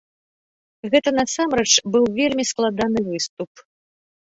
Гэта насамрэч быў вельмі складаны выступ.